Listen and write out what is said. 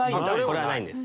これはないんです。